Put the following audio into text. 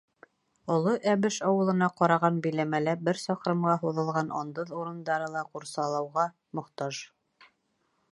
Оло Әбеш ауылына ҡараған биләмәлә бер саҡрымға һуҙылған андыҙ урындары ла ҡурсалауға мохтаж.